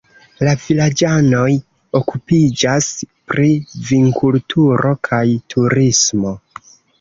La vilaĝanoj okupiĝas pri vinkulturo kaj turismo.